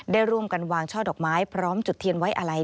ได้ร่วมกันวางช่อดอกไม้พร้อมจุดเทียนไว้อะไร